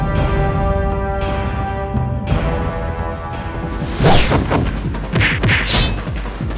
siapa pemilik dari kerisik